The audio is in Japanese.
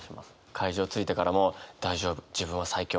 会場着いてからも「大丈夫自分は最強。